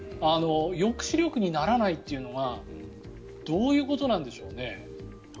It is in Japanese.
抑止力にならないというのがどういうことなんでしょう。